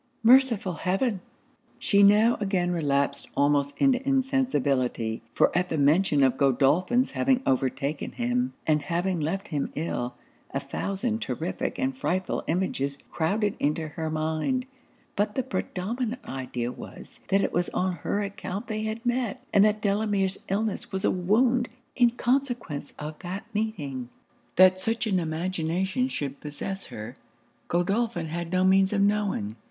merciful heaven!' She now again relapsed almost into insensibility: for at the mention of Godolphin's having overtaken him, and having left him ill, a thousand terrific and frightful images crouded into her mind; but the predominant idea was, that it was on her account they had met, and that Delamere's illness was a wound in consequence of that meeting. That such an imagination should possess her, Godolphin had no means of knowing.